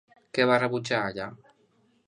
Què va rebutjar, allà?